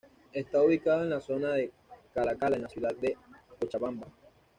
Está ubicado en la zona de Cala Cala, en la ciudad de Cochabamba.